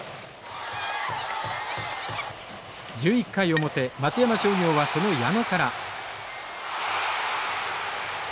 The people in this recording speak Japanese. １１回表松山商業はその矢野から。